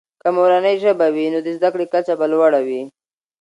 که مورنۍ ژبه وي، نو د زده کړې کچه به لوړه وي.